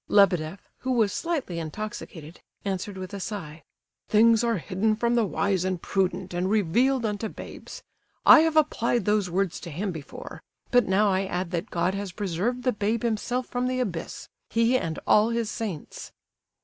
Lebedeff, who was slightly intoxicated, answered with a sigh: "Things are hidden from the wise and prudent, and revealed unto babes. I have applied those words to him before, but now I add that God has preserved the babe himself from the abyss, He and all His saints."